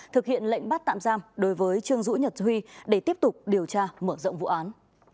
thực hiện lệnh bắt tạm giam đối với trương dũ nhật huy để tiếp tục điều tra mở rộng vụ án